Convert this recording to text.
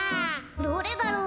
どれだろう。